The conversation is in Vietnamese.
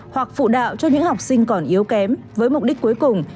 hoặc phụ đạo cho những học sinh còn yếu kém với mục đích cuối cùng